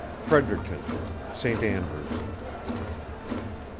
Fredericton. St. Andrews.